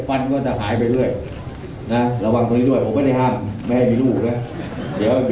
ปราตราสามีก็คุ้นแลกพยายามด้วยนะครับ